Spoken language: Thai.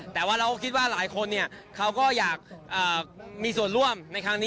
แต่ว่าเราก็คิดว่าหลายคนเขาก็อยากมีส่วนร่วมในครั้งนี้